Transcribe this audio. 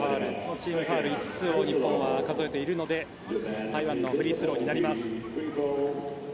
チームファウルは５つ日本は数えているので台湾のフリースローになります。